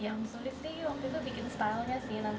yang sulit sih waktu itu bikin stylenya sih